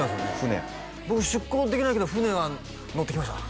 僕出港できないけど船は乗ってきました